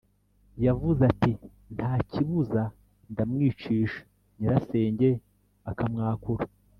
yavuze ati ntakibuza ndamwicisha”.Nyirasenge akamwakura.